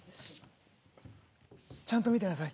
ちゃんと見てなさい。